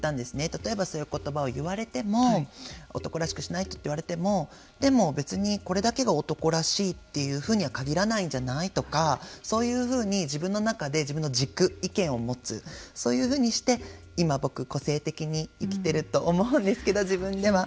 例えば、そういうことばを言われても男らしくしないとって言われてもでも、別にこれだけが男らしいというふうに限らないんじゃないとかそういうふうに自分の中で自分の軸、意見を持つそういうふうにして今、僕個性的に生きてると思うんですけど自分では。